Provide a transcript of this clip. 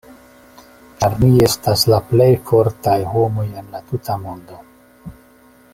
Ĉar ni estas la plej fortaj homoj en la tuta mondo.